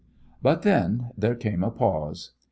But then there came a pause.